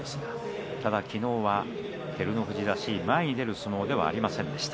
ただ、昨日は照ノ富士らしい前に出る相撲ではありませんでした。